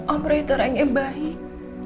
om roy itu orang yang baik